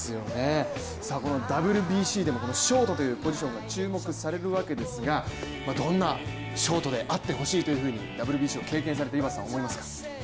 このＷＢＣでもショートというポジションが注目されるわけですがどんなショートであってほしいというふうにＷＢＣを経験されている井端さんは思いますか。